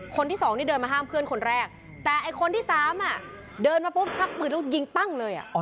คนที่สองนี่เดินมาห้ามเพื่อนคนแรกแต่ไอ้คนที่สามเดินมาปุ๊บชักปืนแล้วยิงปั้งเลย